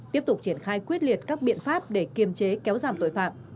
tiếp tục triển khai quyết liệt các biện pháp để kiềm chế kéo giảm tội phạm